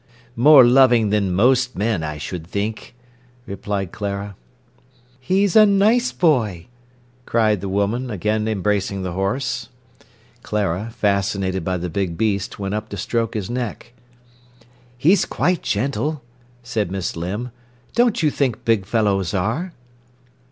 "More loving than most men, I should think," replied Clara. "He's a nice boy!" cried the woman, again embracing the horse. Clara, fascinated by the big beast, went up to stroke his neck. "He's quite gentle," said Miss Limb. "Don't you think big fellows are?"